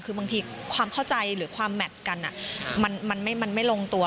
คือบางทีความเข้าใจหรือความแมทกันมันไม่ลงตัว